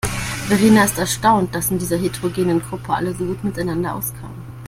Verena ist erstaunt, dass in dieser heterogenen Gruppe alle so gut miteinander auskamen.